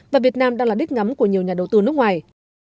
và việt nam đang là đích ngắm của nhiều nhà đầu tư nước ngoài